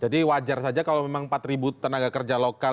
jadi wajar saja kalau memang empat ribu tenaga kerja lokal